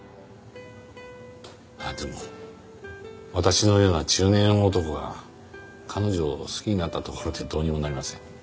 ああでも私のような中年男が彼女を好きになったところでどうにもなりません。